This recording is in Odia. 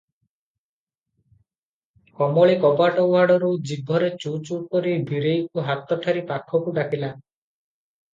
କମଳୀ କବାଟ ଉହାଡ଼ରୁ ଜିଭରେ ଚୁଁ- ଚୁଁ କରି ବୀରେଇକୁହାତ ଠାରି ପାଖକୁ ଡାକିଲା ।